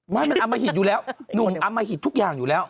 ไม่มันอมหิตอยู่แล้วหนุ่มอมหิตทุกอย่างอยู่แล้ว